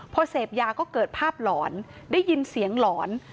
พอเสพยาก็เกิดภาพหลอนได้ยินเสียงหลอน